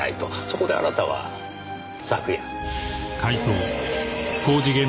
そこであなたは昨夜。